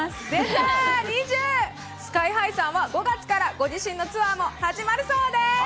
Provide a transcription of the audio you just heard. スカイハイさんは、５月からご自身のツアーも始まるそうです。